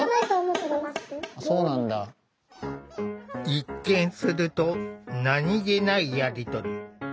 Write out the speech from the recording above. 一見すると何気ないやり取り。